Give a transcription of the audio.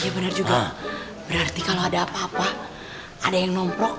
iya bener juga berarti kalau ada apa apa ada yang nomprok